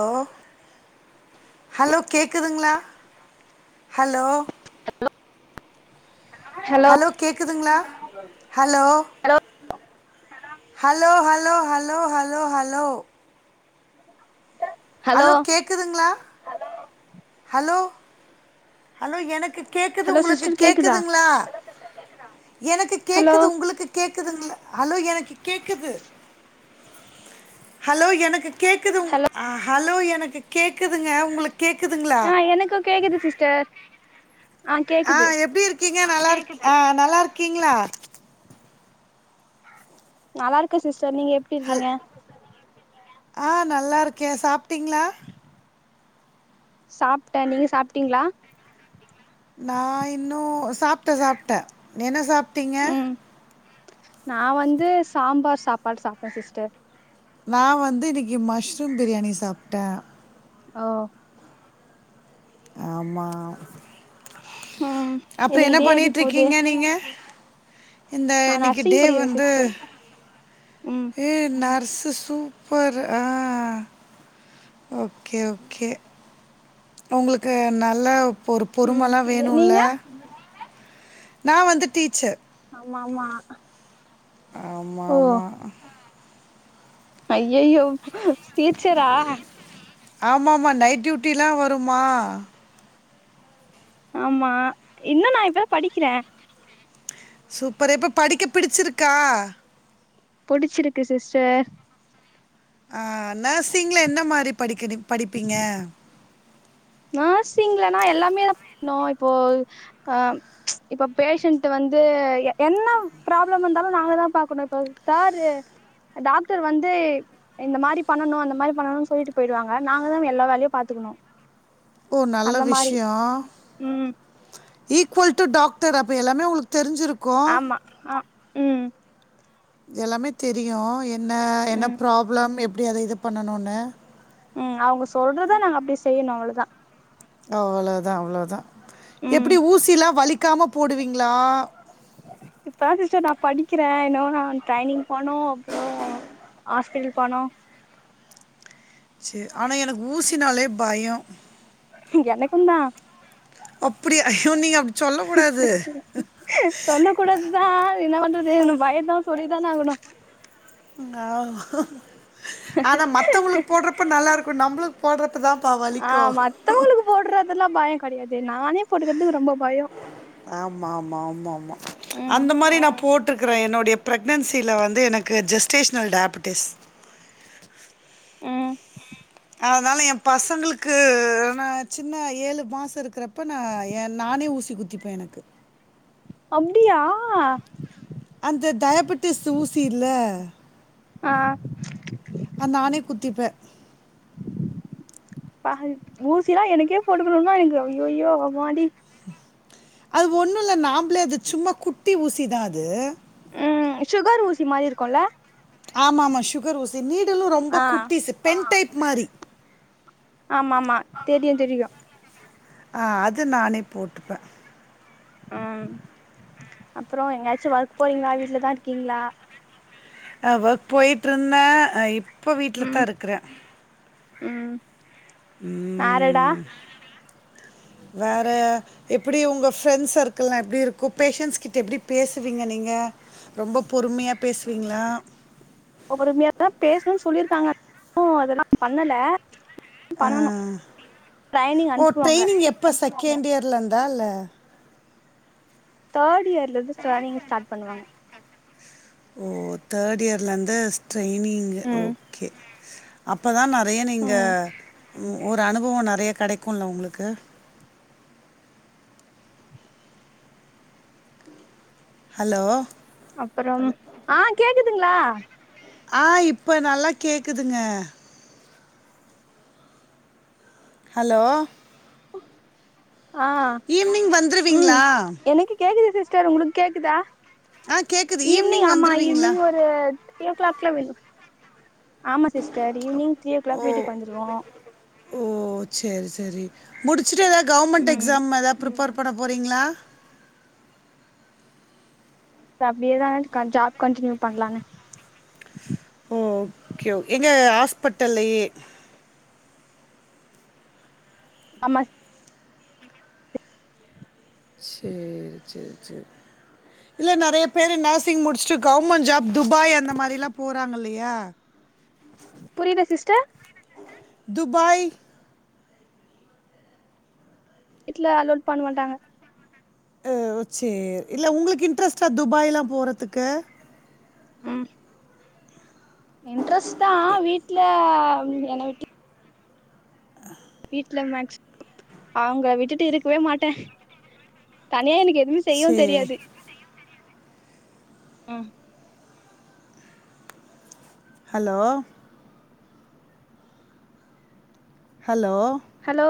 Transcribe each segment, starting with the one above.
Hello hello கேக்குதுங்களா hello hello கேக்குதுங்களா hello hello hello hello hello hello hello hello கேக்குதுங்களா hello hello எனக்கு கேக்குது ஹலோ உங்களுக்கு சிஸ்டர் கேக்குதா கேக்குதுங்களா எனக்கு ஹலோ கேக்குது உங்களுக்கு கேக்குதுங்கள ஹலோ எனக்கு கேக்குது ஹலோ எனக்கு கேக்குதுங் ஹலோ ஹலோ எனக்கு கேக்குதுங்க உங்களுக்கு கேட்குதுங்களா ஆ எனக்கு கேக்குது சிஸ்டர் ஆ எப்டி இருக்கீங்க நல்லா இருக்க ஆ நல்லா இருக்கீங்களா நல்லா இருக்கே சிஸ்டர் நீங்க எப்டி ஹல் இருக்கீங்க ஆ நல்லா இருக்கே சாப்டிங்களா சாப்ட நீங்க சாப்டீங்களா நா இன்னு சாப்ட சாப்ட என்ன சாப்டீங்க ம் நா வந்து சாம்பார் சாப்பாடு சாப்ட சிஸ்டர் நா வந்து இன்னைக்கு மஷ்ரூம் பிரியாணி சாப்ட ஓ ஆமா ம் அப்றோ இன்னைக்கு என்ன டே எப்டி போது பண்ணட்டுருக்கீங்க நீங்க இந்த நா இன்னைக்கு நர்சிங் டே படிக்கிறே வந்து சிஸ்டர் ம் ஏ நர்ஸு சூப்பர்ரு ஆ ஓகே ஓகே உங்களுக்கு நல்ல ஒரு ம் பொறுமல்லா வேணும்ல நீங்க நீங்க நா வந்து டீச்சர் ஆமா ஆமா ஆமாம் ஓ ஆமாம் ஐயயோ டீச்சரா ஆமா ஆமா நைட் டியூட்டிலா வரும்மா ஆமா இன்னு நா இப்பதா படிக்கிறே சூப்பர்ரு இப்ப படிக்க பிடிச்சிருக்கா புடிச்சிருக்கு சிஸ்டர் ஆ நர்ஸிங்ல என்ன மாரி படிக்கனு படிப்பீங்க நர்சிங்லனா எல்லாமே தா பண்ணோ இப்போ ஆ இப்ப பேஷண்ட் வந்து என்ன ப்ராப்ளம் இருந்தாலு நாங்க தா பாக்கணு இப்ப சாரு டாக்டர் வந்து இந்த மாரி பண்ணணு அந்த மாரி பண்ணணு சொல்லிட்டு போயிடுவாங்க நாங்க தா எல்லா வேலையு பாத்துக்கணு ஒ நல்ல அந்த மாரி விஷயோ ம் ஈக்குவல் டு டாக்டர் அப்ப எல்லாமே உங்களுக்கு தெரிஞ்சிருக்கோ ஆமா ஆ ம் எல்லாமே தெரியு என்ன என்ன ம் ப்ராப்ளம் எப்டி அத இது பண்ணணும்னு ம் அவுங்க சொல்றதா நாங்க அப்டியே செய்யணு அவ்ளோதா அவ்ளோதா அவ்ளோதா ம் எப்டி ஊசிலா வலிக்காம போடுவீங்களா இப்ப தா சிஸ்டர் நா படிக்கிறே இன்னு நா ட்ரைனிங் போனு அப்றோ ஹாஸ்பிட்டல் பணோ சேரி ஆனா எனக்கு ஊசினாலே பயோ எனக்குந்தா அப்டியா ஐயோ நீங்க அப் சொல்ல கூடாது தா என பண்றது பய தா சொல்லி தான ஆகணு ஆ ஆனா மத்தவங்களுக்கு போடுறப் ப நல்லா இருக்கு நம்பளுக்கு போடுறப்பதாப்பா ஆ வலிக்கு மத்தவங்களுக்கு போடுறதெல்லா பயோ கடையாது நானே போடுக்கறதுக்கு ரொம்ப பயோ ஆமா ஆமா ஆமா ஆமா ம் அந்த மாரி நா போட் த்துருக்கிற என்னுடைய ப்ரெக்னன்சில வந்து எனக்கு ஜெஸ்டேஷ்னல் டயாபட்டிஸ் ம் அதனால எ பசங்களுக்கு நா சின்ன ஏழு மாச இருக்கறப்ப நா எ நானே ஊசி குத்திப் பே எனக்கு அப்டியா அந்த டயாபட்டிஸ் ஊசி இல்ல ஆ அத் நானே குத்திப்பே ப ஊசிலா எனக்கே போட்டுக்கணும்னா எனக்கு அய்யய்யோ அம்மாடி அது ஒன்னுல்ல நாம்ப்ளே அது சும்மா குட்டி ஊசிதா அது ம் சுகர் ஊசி மாரி இருக்குல ஆமா ஆமா சுகர் ஊசி நீடலு ரொம்ப ஆ குட்டிஸு பென் டைப் மாரி ஆமா ஆமா தெரியு தெரியு அ அது நானே போட்டுப்பே ம் அப்புறோ எங்கயாச்சு ஒர்க் போறீங்ளா வீட்லதா இருக்கீங்ளா ஆ ஒர்க் போய்ட்ருந்தே அ இப்ப வீட்ல தா ம் இருக்கறே ம் வேறடா வேற எப்படி உங்க ஃப்ரெண்ஸ் சர்க்கிள்லா எப்டி இருக்கு பேஷன்ஸ் கிட்ட எப்டி பேசுவீங்க நீங்க ரொம்ப பொறுமியா பேசுவீங்ளா பொறுமயாதா பேஸ்ணுன் சொல்லியிருக்காங்க இன்னு அதெல்லா பண்ணல ஆ பண்ணனு ட்ரைனிங் ஓ அனுப்புவாங்க ட்ரெய்னிங் எப்ப செகண்ட் யேர்லந்தா இல்ல தேடு யேர்லந்து ட்ரைனிங்க ஸ்டாட் பண்ணுவாங்க ஓ தேடு யேர்லந்து ஸ்ட்ரெய்னிங்கு ம் ஓகே அப்போதா நறைய நீங்க ம் ம் ஒரு அனுபவோ நறைய கடைக்குல உங்குளுக்கு ஹலோ அப்பறம் ஆ கேக்குதுங்ளா ஆ இப்ப நல்லா கேக்குதுங்க ஹலோ ஆ ஈவினிங் ம் வந்துருவீங்களா எனக்கு கேக்குது சிஸ்டர் உங்களுக் கேக்குதா ஆ கேக்குது ஈவ்னிங் ஈவினிங் ஆமா வந்துருவீங்களா ஈவ்னிங் ஒரு த்ரீ ஓ கிளாக்லா வெள் ஆமா sister evening three o'clock வீட்டுக் வந்துருவோ ஓ செரி செரி முடிச்சுட்டு எதாத் கவர்மெண்ட் ம் எக்ஸாம் எதா ப்ரிப்பேர் பண்ண போறீங்ளா அப்டியேதா க ஜாப் கண்டினியு பண்லானு ஓகே ஓ எங்க ஹாஸ்பிட்டல்லயே ஆமா சேரி சேர் சேர் அ இல்ல நறைய பேரு நசிங் முடிஷ்ட்டு கவ்மெண் ஜாப் துபாய் அந்த மாரிலா போறாங்னில்லையா புரில சிஸ்டர் துபாய் வீட்ல அலோல் பண்ண மாட்டாங்க அ ஒ சே இல்ல உங்களுக்கு இன்ட்ரெஸ்ட்டா துபாயலா போறத்துக்கு ம் இன்ட்ரெஸ்ட்தா வீட்ல என ஆஹ் கில்ல மேக்ஸ் அவங்க விட்டுட்டு இருக்கவே மாட்டே தனியா எனக்கு எத் மு செய்யவு சேரி தெரியாது உ ஹலோ ஹலோ ஹலோ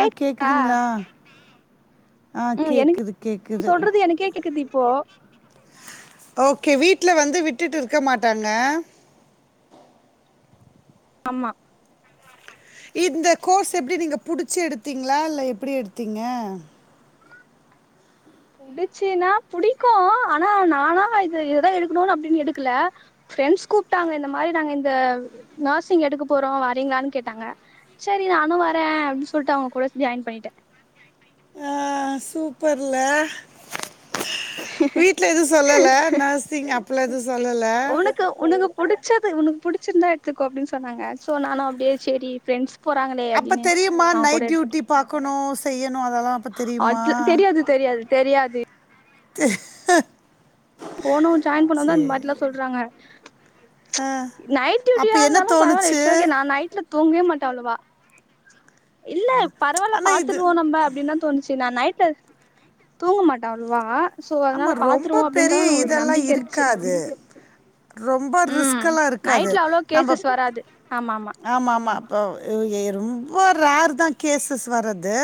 ஆ கேக்குதுங்ளா ஆ ம் எனக்கு கேக்குது கேக்குது சொல்றது எனக்கே கேக்குது இப்போ ஓகே வீட்ல வந்து விட்டுட்டு இருக்க மாட்டாங்க ஆமா இந்த கோர்ஸ் எப்டி நீங்க புடுச்சு எடுத்தீங்ளா இல்ல எப்பிடி எடுத்தீங்க புடுச்சுன்னா புடிக்கூ ஆனா நானா இது இததா எடுக்கணுனு அப்டின் எடுக்கல ஃப்ரெண்ட்ஸ் கூப்ட்டாங்க இந்த மாரி நாங்க இந்த நேர்சிங் எடுக்க போறோ வரீங்களான் கேட்டாங்க செரி நானு வரே அப்டி சொல்ட்டு அவங்க கூட ஜாய்ன் பண்ணிட்ட ஆ சூப்பர்ல வீட் ல எது சொல்லல நேர்சிங் அப்லா எது சொல்லல க்கு உனுகு புடுச்சது உனக்கு புடுச்சிருந்தா எடுத்துக்கோ அப்டின்னு சொன்னாங்க சோ நானு அப்டியே சேரி ஃப்ரெண்ட்ஸ் போறாங்களே அப்ப அப்டின்னு தெரியுமா நா கூட நைட் எடுத்துட்ட டியூட்டி பார்க்கணும் செய்யணும் அதெல்லாம் அப்ப தெரியுமா அது தெரியாது தெரியாது தெரியாது போனோ ஜாயின் பண்ணோந் தா சரி இந்மாரிலா சொல்றாங்க ஆ, நைட் டியூட்டியா அப்ப என்ன இருந்தாலு பரவால்ல தோணுச்சு இட்ஸ்ஓகே நா நைட்ல தூங்கவே மாட்டே அவ்ளவா இல்ல பரவால்ல ஆனா இது பாத்துருவோ நம்ப அப்டின்னு தா தோணுச்சு நா நைட்ல தூங்கமாட்ட அவ்ளவா சோ ஆமா அதனால ரொம்ப பாத்துருவோ அப்டின்தா பெரிய ஒரு இதெல்லா நம்பிக்க இருந்துச்சு இருக்காது ரொம்ப ம் ரிஸ்க்கெல்லா இருக்காது நைட்ல அவ்ளோ நம்ப கேசஸ் வராது ஆமா ஆமா ஆமா அப்போ ஓ ஏ ரொம்பொ ரேர் தா கேஸ்ஸஸ் வர்றது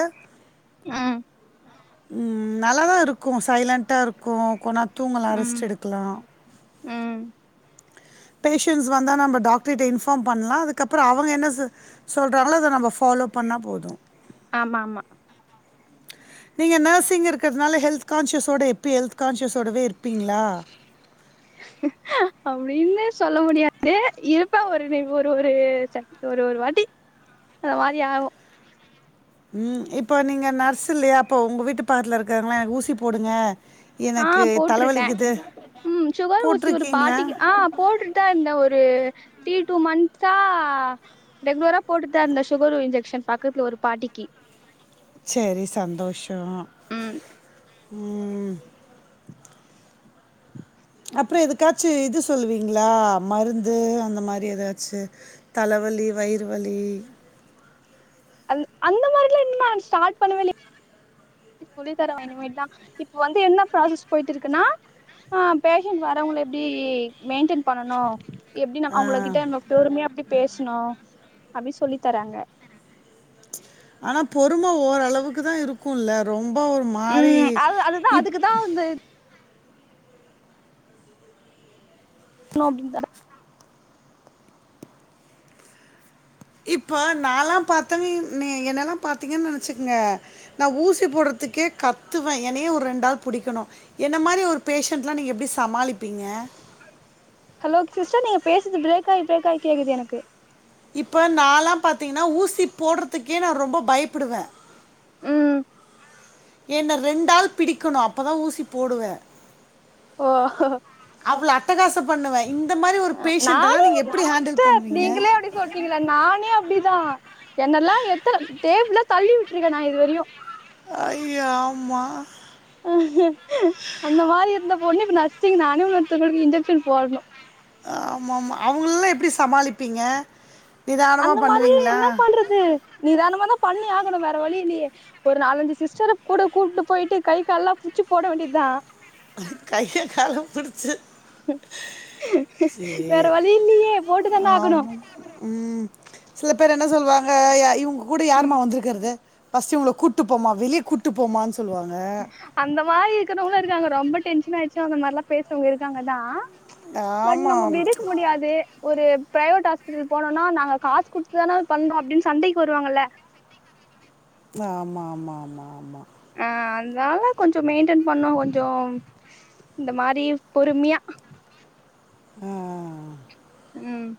அ ம் நல்லா தா இருக்கு சைலண்டா இருக்கு கொன்னேர் தூங்கலா ரெஸ்ட் ம் எடுக்கலா ம் பேஷண்ட்ஸ் வந்தா நம்ப டாக்டர்கிட்ட இன்ஃபாம் பண்லா அதுக்கப்பறொ அவங்க என்ன செ சொல்றாங்களோ அத நம்ப ஃபாலோ பண்ணா போது ஆமா ஆமா நீங்க நேர்சிங் இருக்குறதுனால ஹெல்த் கான்ஷியஸோட எப்பியு ஹெல்த் கான்ஷியஸோடவே இருப்பீங்ளா அப்டின்னு சொல்ல முடியாது இருப்ப ஒரு நி ஒரு ஒரு சக் ஒரு ஒரு வாட்டி அந்த மாரி ஆவு ம் இப்ப நீங்க நர்ஸ் இல்லயா அப்போ உங்க வீட்டு பாக்கத்துல இருக்காங்ல்ல எனக்கு ஊசி போடுங்க ஆ எனக்கு போட்ருக்க தலைவலிக்குது ம் சுகர் ஊசி ஒரு போட்டிருக்கீங்களா? பாட்டிக்கி ஆ போட்ன் தா இந்த ஒரு தீ டூ மந்த்ஸா ரெகுலரா போட்டுதாதா இருந்த சுகரூ இன்ஜெக்ஷன் பக்கத்ல ஒரு பாட்டிக்கி செரி சந்தோஷோ ம் ம் அப்றொ எதுக்காச்சு இது சொல்லுவீங்ளா மருந்து அந்த மாரி எதாச்சு தலவலி வயிறு வலி அந் அந்த மாரிலா இன்னு நான் ஸ்டார்ட் பண்ணவே இல்யே சொல்லி தர வே இனுமேட்டு தா இப்ப வந்து என்ன ப்ராசஸ் போய்ட்டு இருக்குன்னா ஆ பேஷண்ட் வர்றவங்கள எப்பிடி மெயின்டன் பண்ணனு. எப்டி நம் ஆ. அவ்ங்களகிட்ட நம்ம ஃளொறுமையா எப்டி பேசணு அப்டி சொல்லி தர்றாங்க. ஆனா பொறும ஓரளவுக்கு தா இருக்குல்ல ரொம்ப ஒரு மாரி ம் அது அதுதா இப் அதுக்குதா இந்த நோபின் தடா இப்ப நாலா பாத்த நீ என்ன எல்லா பாத்தீங்கன்னு வெச்சுகுங்க நா ஊசி போடுறதுக்கே கத்துவே எனையே ஒரு ரெண்டாள் புடிக்கணு என்ன மாரி ஒரு பேஷன்ட் ல்லா நீங்க எப்பிடி சமாளிப்பீங்க ஹலோ சிஸ்டர் நீங்க பேசுறது ப்ரேக் ஆகி ப்ரேக் ஆகி கேக்குது எனக்கு இப்ப நாலா பாத்தீங்கன்னா ஊசி போட்றதுக்கே நா ரொம்ப பயபுடுவே ம் என்ன ரெண்டாள் பிடிக்கணு அப்பதா ஊசி போடுவே ஓ அவ்ளோ அட்டகாசோ பண்ணுவே இந்த மாதிரி ஒரு பேஷன்ட்ட எல்லா நானே நீங்க எப்டி ஹேண்டில் பண்ணுவீங்க இதுல நானே அப்டிதான் என்னெல்லா எத்தன டேபிள் தள்ளி விட்டுருக்கே நா இதுவரியு ஐயோ ஆமா அந்த மாதிரி இருந்த பொண்ணு இப்ப நர்ஸிங் நானேன்னொருத்தங்களுக்கு இன்ஜெக்ஷன் போட்ணு ஆமாம்மா அவ்ங்கள ல்லாம் எப்டி சமாளிப்பீங்க நிதானமா பண்ணுவீங்களா து நிதானமா தா பண்ணி ஆகணு வேற வழியில்லியே ஒரு நாலஞ்சு சிஸ்டர கூட கூப்ட்டு போயிட்டு கை கால ல்லாம் புட்ச்சி போட வேண்டியது தா கைய கால புடிச்சு வேற வழி இல்லியே போட்டுதான ஆகணு ஆமாம் ம் சில பேர் என்ன சொல்வாங்க இவ்ங்க கூட யாருமா ம் வந்த்ருக்றது ஃபஸ்ட்டு இவங்கள கூட்டு போம்மா வெளிய கூட்டு போமான்னு சொல்லுவாங்க அந்த மாரி இருக்குறவங்களு இருக்காங்க ரொம்ப டென்ஷன் ஆயிடுச்சுன்னா அந்த மாரி எலா பேசுறவ்ங்க இருக்காங்க தா‌ பட் ஆமாம் நம்ம விடுக்க ஆமாம் முடியாது ஒரு ப்ரைவேட் ஆஸ்பிட்டல் போனானா நாங்க காசு குடுத்துதான பண்றோ அப்டின்னு சண்டக்கி வருவாங்கல்ல ன்ன ஆமா ஆமா ஆமா ஆமா ஆ அத்னால கொஞ்சோ மெயின்டென் பண்ணோம் கொஞ்சோ இந்த மாதிரி பொறுமிய்யா ஆ ம்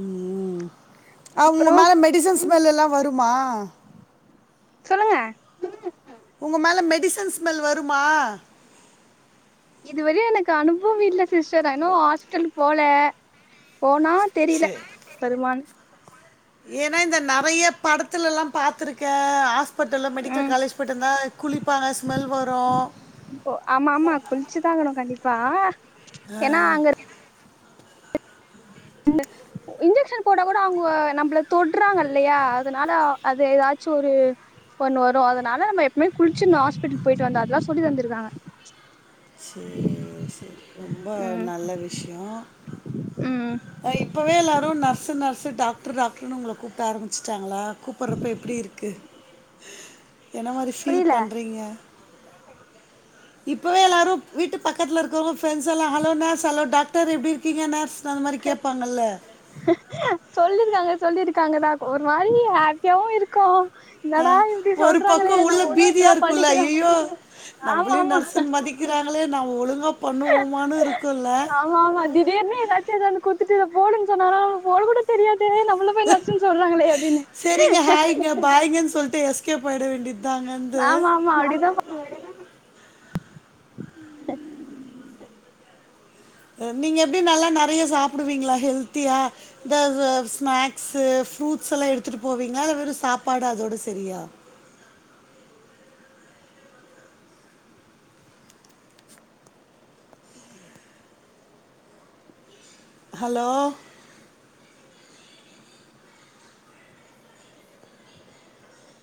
ம் அவ்ங்க அப்றோ மேல மெடிசன்ஸ் ஸ்மெல் எல்லா வருமா சொல்லுங்க உங்க மேல மெடிசன்ஸ் ஸ்மெல் வருமா இதுவரயு எனக்கு அனுபவோ இல்ல சிஸ்டர் அனு ஹாஸ்பிட்டலு போல போனால் தெரில சரி வருமான்னு ஏன்னா இந்த நெறைய படத்துல எல்லாம் பாத்துருக்கே ஹாஸ் பிட்டல் மெடிக்கல் ம் காலேஜ் போயட்டு வந்தா குளிப்பாங்க ஸ்மெல் வரும் ஆ குளிச்சு தாகணு கண்டிப்பா பா ஆ ன்ன [inaudible] இன்ஜெக்ஷன் போட கூட அவ்ங்க நம்மள தொடுறாங்கல்லையா அதுனால அது ஏதாச்சு ஒரு ஒண்ணு வரு அதுனால நம்ம எப்பவ்மே குளிச்சுர்ன்னு ஆஸ்பிட்டல் போயிட்டு வந்தா அதெல்லா சொல்லி தந்திருக்காங்க செர் செரி ரொம்ப ம் நல்ல விஷ்யோ ம் இப்வே எல்லாரும் நர்ஸு நர்ஸு டாக்டர் டாக்டர்ன்னு உங்கள கூப்ட ஆரம்பிச்சுட்டாங்களா கூப்றப்ப எப்டி இருக்கு என்ன மாரி ஃபீல் புரியல பண்றீங்க இப்பவே எல்லாரும் வீட்டு பக்கத்துல இருக்கிறவங்க பிரண்ட்ஸ்ல்லாம் ஹலோ நர்ஸ் ஹலோ டாக்டர் எப்டி இருக்கீங்க நர்ஸ் அந்த மாரி கேப்பாங்கல்ல சொல்லிருக்காங்க சொல்லியிருக்காங்கதான் ஒரு மாரி ஹாப்பியாவும் இருக்கும் ஒரு பக்கம் உள்ள பீதியா இப்பதா இருக்குல்ல படிக்கிறோ ஐயய்யோ ஆமா நம்மளும் ஆமா நர்ஸ் மதிக் கிறாங்களே நம்ப ஒழுங்கா பண்ணுவோமானு இருக்கும்ல்ல ஆமா ஆமா திடீர்னு எதாச்சும் எடுத்துவந்து குடுத்துட்டு போடுன்னு சொன்ன போட கூட தெரியாதே நம்மள போய் நச்சுன்னு சொல்றாங்களே அப்டின்னு சேரிங்க ஹாய்ங்க பாய்ங்கன்னு சொல்லிட்டு எஸ்கேப் ஆயிட வேண்டியது தங்கந்து ஆமா ஆமா அப்டிதா ஹ நீங்க எப்டி நல்லா நெறைய சாப்டுவீங்களா ஹெல்த்தியா இந்த இத ஸ்நாக்ஸு ஃப்ரூட்ஸ்ல்லாம் எடுத்துட்டு போவீங்காளா வெறும் சாப்பாடு அதோட செரியா ஹலோ